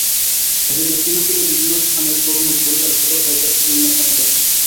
এতে দক্ষিণাঞ্চলের বিভিন্ন স্থানের তরমুজ বরিশাল সদর হয়ে দেশের বিভিন্ন স্থানে যাচ্ছে।